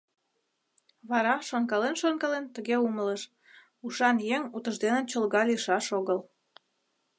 Вара, шонкален-шонкален, тыге умылыш: ушан еҥ утыждене чолга лийшаш огыл.